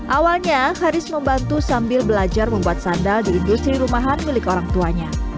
awalnya haris membantu sambil belajar membuat sandal di industri rumahan milik orang tuanya